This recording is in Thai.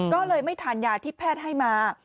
ก็เลยไม่ทานยาที่แพทย์ให้มา